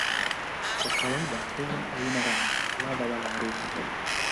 Kwa kawaida hewa haina rangi, ladha wala harufu.